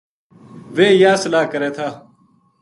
ویہ یاہ صلاح کرے تھا